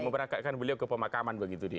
memberangkatkan beliau ke pemakaman begitu dia